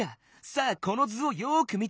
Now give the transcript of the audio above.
さあこの図をよく見て。